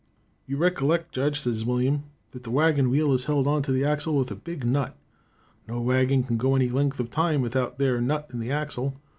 "You reckollect, jedge," says William, "that the waggin wheel is held onto the exle with a big nut. No waggin kin go any length of time without that there nut onto the exle.